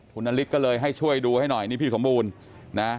คุณนฤทธิก็เลยให้ช่วยดูให้หน่อยนี่พี่สมบูรณ์นะ